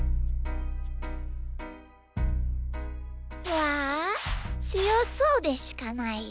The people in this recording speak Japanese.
わつよそうでしかないよ。